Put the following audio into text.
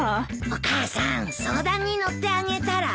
お母さん相談に乗ってあげたら？